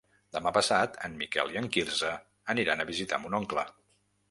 Demà passat en Miquel i en Quirze aniran a visitar mon oncle.